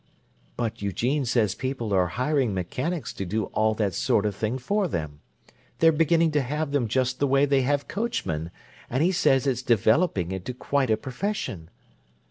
"But Eugene says people are hiring mechanics to do all that sort of thing for them. They're beginning to have them just the way they have coachmen; and he says it's developing into quite a profession."